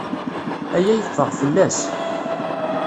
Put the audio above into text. Aya yeffeɣ fell-as.